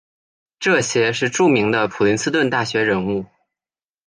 这些是著名的普林斯顿大学人物。